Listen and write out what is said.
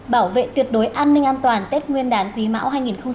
bảo vệ tuyệt đối an ninh an toàn tết nguyên đán quý mão hai nghìn hai mươi